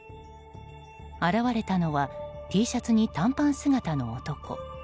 現れたのはＴシャツに短パン姿の男。